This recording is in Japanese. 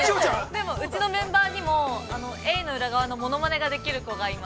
でも、うちのメンバーにも、エイの裏側の物まねができる子がいます。